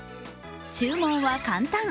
注文は簡単。